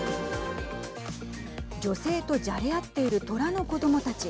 女性とじゃれ合っている虎の子どもたち。